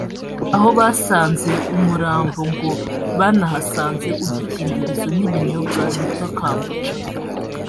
aho basanze umurambo ngo banahasanze udukingirizo n’ibinyobwa bita Kambuca